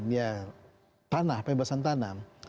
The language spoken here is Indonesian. ya tanah pembebasan tanam